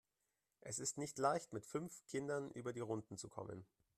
Es ist nicht leicht, mit fünf Kindern über die Runden zu kommen.